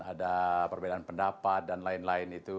ada perbedaan pendapat dan lain lain itu